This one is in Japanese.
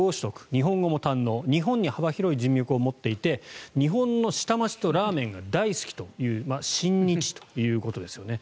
日本語も堪能日本に幅広い人脈を持っていて日本の下町とラーメンが大好きという親日ということですね。